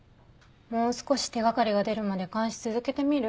もう少し手掛かりが出るまで監視続けてみる？